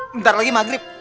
bentar lagi maghrib